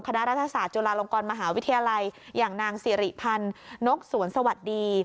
คณะรัฐศาสตร์จุฬาลงกรมหาวิทยาลัยอย่างนางสิริพันธ์นกสวนสวัสดี